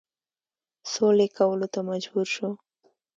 سولي کولو ته مجبور شو.